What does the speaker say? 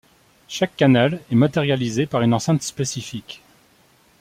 Chaque canal est matérialisé par une enceinte spécifique.